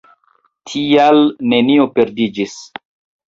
Tial, nenio perdiĝis.